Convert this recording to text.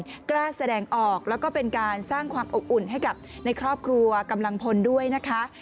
ก็กล้าแสดงออกแล้วก็เป็นการสร้างความอบอุ่นให้กับในครอบครัวกำลังพลด้วยนะคะ